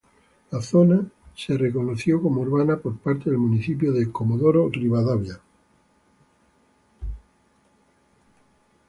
La zona se reconoció como urbana por parte del municipio de Comodoro Rivadavia.